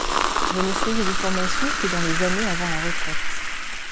Je n’ai suivi des formations que dans les années avant la retraite.